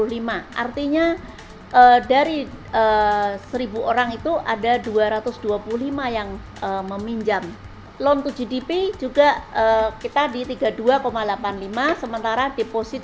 hai dari seribu orang itu ada dua ratus dua puluh lima yang meminjam loan to gdp juga kita di tiga puluh dua delapan puluh lima sementara deposit